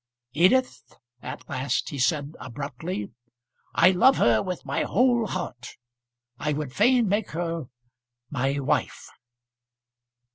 "Edith," at last he said abruptly, "I love her with my whole heart. I would fain make her my wife."